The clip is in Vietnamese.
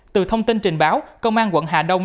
từ thông tin trình báo công an quận hà đông